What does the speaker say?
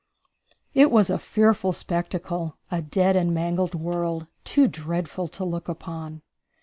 It was a fearful spectacle; a dead and mangled world, too dreadful to look upon.